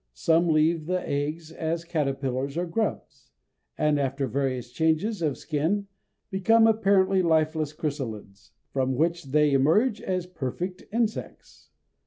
Some leave the egg as caterpillars or grubs, and after various changes of skin become apparently lifeless chrysalids, from which they emerge as perfect insects.